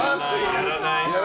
やらない。